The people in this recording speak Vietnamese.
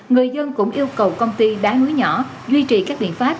người dân cũng yêu cầu công ty đá núi nhỏ duy trì các biện pháp